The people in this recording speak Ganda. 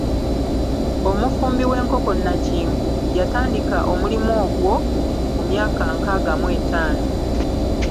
Omufumbi w'enkoko nnakinku yatandika omulimu ogwo ku myaka nkaaga mu etaano.